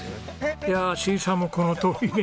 いやあシーサーもこのとおりね。